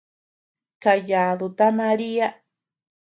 Kayadu ta Maria.